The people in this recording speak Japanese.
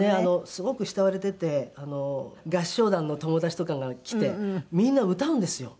すごく慕われてて合唱団の友達とかが来てみんな歌うんですよ